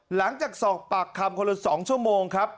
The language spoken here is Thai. หลังจากสอบปากคำคนละ๒ชั่วโมงครับ